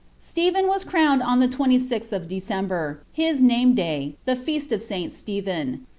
Stephen was crowned on the 26th of December, his name day, the feut of St Stephen.